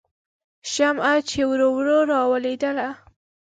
شمعه چې ورو ورو راویلېدله